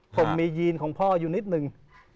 ที่ยีนของพ่อยู่นิดหนึ่ง